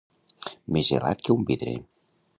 Més gelat que un vidre.